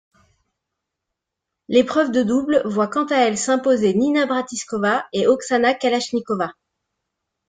L'épreuve de double voit quant à elle s'imposer Nina Bratchikova et Oksana Kalashnikova.